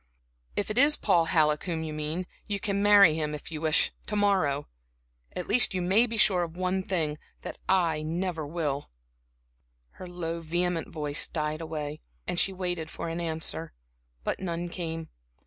If it is Paul Halleck whom you mean, you can marry him, if you wish, to morrow. At least you may be sure of one thing, that I never will." Her low, vehement voice died away, and she waited for an answer; but none came.